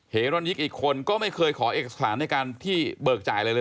รอนิกอีกคนก็ไม่เคยขอเอกสารในการที่เบิกจ่ายอะไรเลย